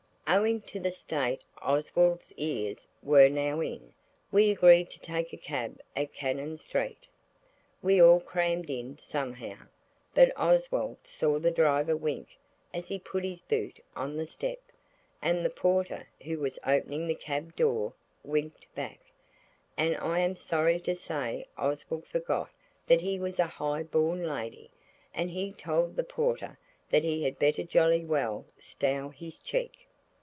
Owing to the state Oswald's ears were now in, we agreed to take a cab at Cannon Street. We all crammed in somehow, but Oswald saw the driver wink as he put his boot on the step, and the porter who was opening the cab door winked back, and I am sorry to say Oswald forgot that he was a high born lady, and he told the porter that he had better jolly well stow his cheek.